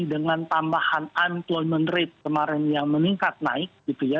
dengan tambahan umployment rate kemarin yang meningkat naik gitu ya